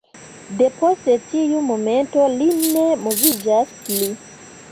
Depost tiu momento, li ne moviĝas pli.